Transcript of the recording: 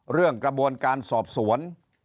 เรื่องกระบวนการสอบสวน